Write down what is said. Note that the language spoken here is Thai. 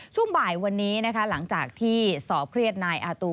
ช่วงบ่ายวันนี้นะคะหลังจากที่สอบเครียดนายอาตู